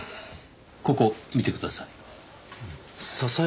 ここ見てください。